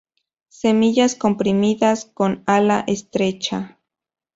Semillas comprimidas, con ala estrecha.